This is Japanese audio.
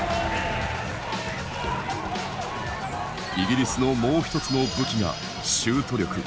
イギリスのもう一つの武器がシュート力。